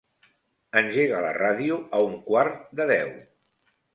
Engega la ràdio a un quart de deu.